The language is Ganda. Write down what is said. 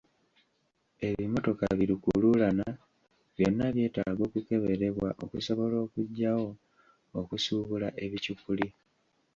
Ebimotoka bi lukuluulana byonna byetaaga okukeberwa okusobola okuggyawo okusuubula ebicupuli.